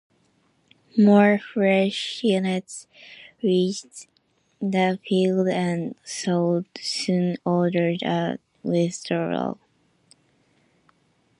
More fresh units reached the field and Soult soon ordered a withdrawal.